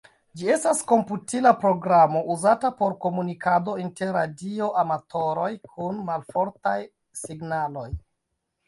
Ĝi estas komputila programo uzata por komunikado inter radio-amatoroj kun malfortaj signaloj.